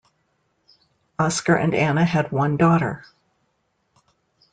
Oscar and Anna had one daughter.